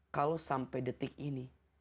kalau sampai detik ini